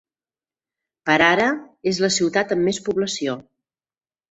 Per ara, és la ciutat amb més població.